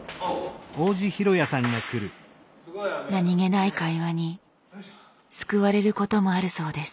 何気ない会話に救われることもあるそうです。